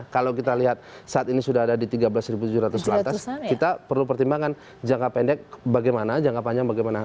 kalau kita lihat saat ini sudah ada di tiga belas tujuh ratus lantas kita perlu pertimbangkan jangka pendek bagaimana jangka panjang bagaimana